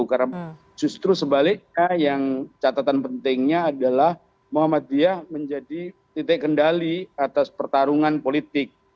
karena justru sebaliknya yang catatan pentingnya adalah muhammadiyah menjadi titik kendali atas pertarungan politik